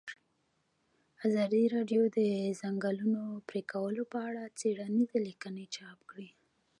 ازادي راډیو د د ځنګلونو پرېکول په اړه څېړنیزې لیکنې چاپ کړي.